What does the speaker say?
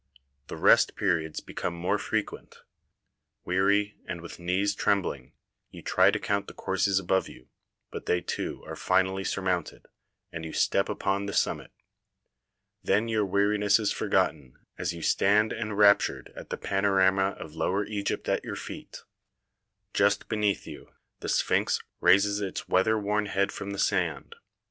The rest periods become more frequent. Weary, and with knees trembling, you try to count the courses above you, but they too are finally surmounted, and you step upon the summit. Then your weariness is forgotten as you stand enraptured at the panorama of Lower Egypt at your feet. Just beneath you the sphynx raises its weather worn head from the sand.